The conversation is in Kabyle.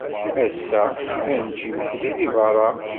Ass-a, ad nečč imekli deg beṛṛa.